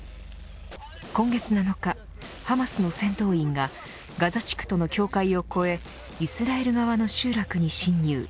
今月７日、ハマスの戦闘員がガザ地区との境界を越えイスラエル側の集落に侵入。